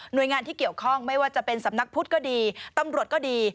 โดยงานที่เกี่ยวข้องไม่ว่าจะเป็นสำนักพุทธก็ดีตำรวจก็ดี